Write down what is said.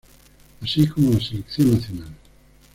Así como la selección Nacional.